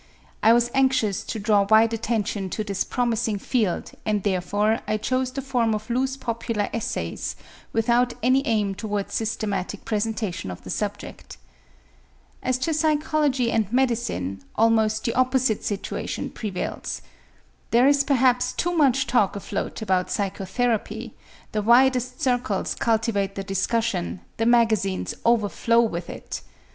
I was anxious to draw wide attention to this promising field and therefore I chose the form of loose popular essays without any aim towards systematic presentation of the subject. As to psychology and medicine almost the opposite situation prevails. There is perhaps too much talk afloat about psychotherapy, the widest circles cultivate the discussion, the magazines overflow with it.